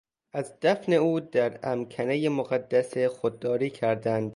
از دفن او در امکنهی مقدسه خودداری کردند.